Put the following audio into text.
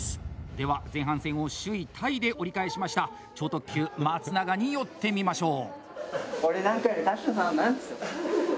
では前半戦を首位タイで折り返しました超特急・松永に寄ってみましょう。